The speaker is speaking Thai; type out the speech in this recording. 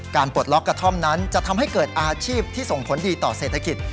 ปลดล็อกกระท่อมนั้นจะทำให้เกิดอาชีพที่ส่งผลดีต่อเศรษฐกิจ